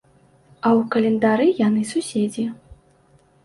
А ў календары яны суседзі.